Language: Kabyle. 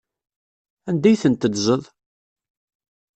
Anda ay tent-teddzeḍ?